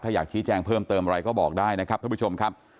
ถ้าอยากชี้แจงเพิ่มเติมอะไรก็บอกได้นะครับท่านผู้ชมครับ